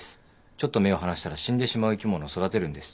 ちょっと目を離したら死んでしまう生き物を育てるんです。